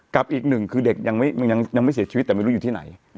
กับอีกหนึ่งคือเด็กยังไม่เสียชีวิตแต่ไม่รู้อยู่ที่ไหน